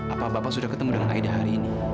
apa bapak sudah ketemu dengan aida hari ini